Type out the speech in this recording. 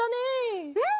うん！